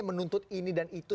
menuntut ini dan itu